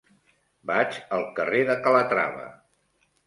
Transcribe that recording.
Vaig al carrer de Calatrava.